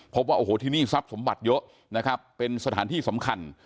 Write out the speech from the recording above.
พบว่าโอ้โหที่นี่ทรัพย์สมบัติเยอะนะครับเป็นสถานที่สำคัญ